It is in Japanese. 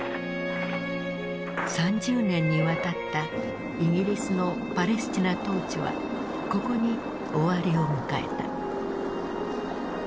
３０年にわたったイギリスのパレスチナ統治はここに終わりを迎えた。